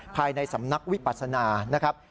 ภายในสำนักวิปัสนานะครับ